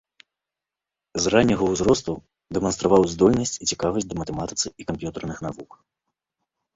З ранняга ўзросту дэманстраваў здольнасць і цікавасць да матэматыцы і камп'ютарных навук.